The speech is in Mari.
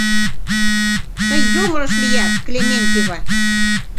Тый йоҥылыш лият, Клементьева!